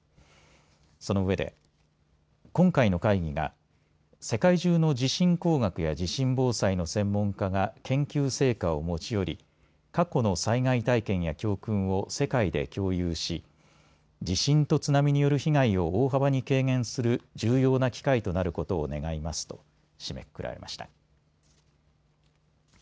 そのうえで今回の会議が世界中の地震工学や地震防災の専門家が研究成果を持ち寄り過去の災害体験や教訓を世界で共有し地震と津波による被害を大幅に軽減する重要な機会となることを願いますと締めくくられました。